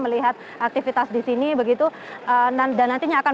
melihat aktivitas di sini begitu dan nantinya akan